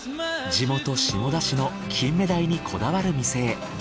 地元下田市の金目鯛にこだわる店へ。